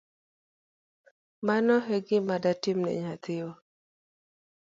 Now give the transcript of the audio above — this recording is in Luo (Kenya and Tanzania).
Mano egima datimni nyathiwa